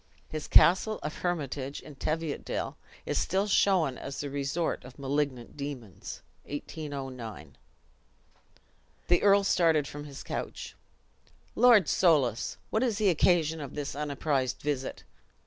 His castle of Hermitage, in Teviotdale, is still shown as the resort of malignant demons. (1809.) The earl started from his couch. "Lord Soulis! what is the occasion of this unapprised visit?"